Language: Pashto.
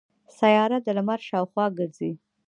سیاره د لمر شاوخوا ګرځي.